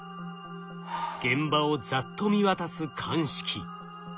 現場をざっと見渡す鑑識。